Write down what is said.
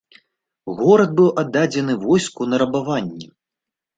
Горад быў аддадзены войску на рабаванне.